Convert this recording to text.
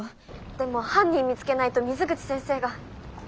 でも犯人見つけないと水口先生が。